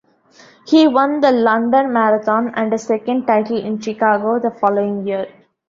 He won the London Marathon and a second title in Chicago the following year.